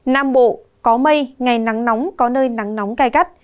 nam bộ có mây ngày nắng nóng có nơi nắng nóng gai gắt